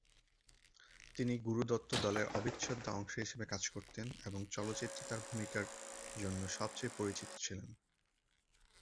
তিনি গুরু দত্ত দলের অবিচ্ছেদ্য অংশ হিসেবে কাজ করতেন এবং চলচ্চিত্রে তার ভূমিকার জন্য সবচেয়ে পরিচিত ছিলেন।